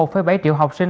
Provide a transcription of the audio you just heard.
hơn một bảy triệu học sinh